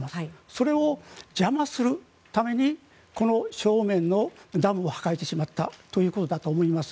それを邪魔するためにこの正面のダムを破壊してしまったということだと思います。